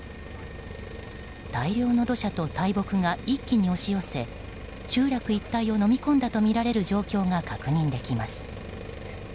大量の土砂と大木が一気に押し寄せ集落一帯をのみ込んだとみられる状況が確認できます。